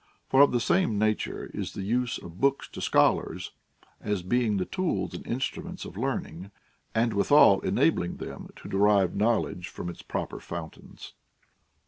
For of the same nature is the use of books to scholars, as being the tools and instruments of learning, and withal enabling them to derive knowledge from its proper fountains.